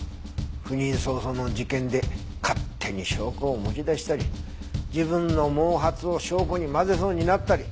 赴任早々の事件で勝手に証拠を持ち出したり自分の毛髪を証拠に混ぜそうになったり。